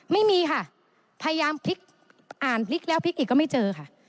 ไม่มีค่ะพยายามพลิกอ่านพลิกแล้วพลิกอีกก็ไม่เจอค่ะ